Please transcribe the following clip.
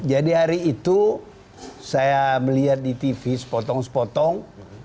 jadi hari itu saya melihat di tv sepotong sepotong